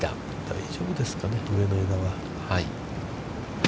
大丈夫ですかね、上の枝は。